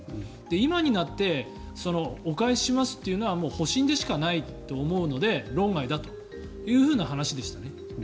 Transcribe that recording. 今になってお返ししますというような保身でしかないと思うので論外だという話でしたね。